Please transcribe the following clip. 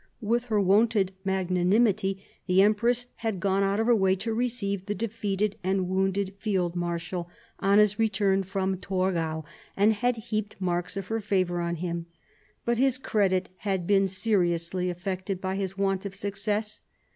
With her wonted magnanimity the empress had gone out of her way to receive the defeated and wounded field marshal on his return from Torgau, and had heaped marks of her favour on him ; but his credit had been seriously affected by his want of success.